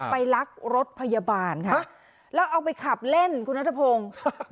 ลักรถพยาบาลค่ะแล้วเอาไปขับเล่นคุณนัทพงศ์